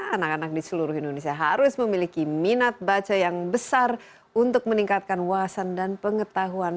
anak anak di seluruh indonesia harus memiliki minat baca yang besar untuk meningkatkan wawasan dan pengetahuan